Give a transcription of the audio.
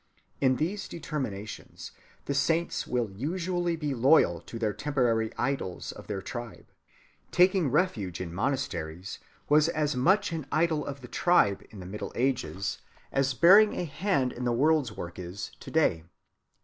In these determinations the saints will usually be loyal to the temporary idols of their tribe. Taking refuge in monasteries was as much an idol of the tribe in the middle ages, as bearing a hand in the world's work is to‐day.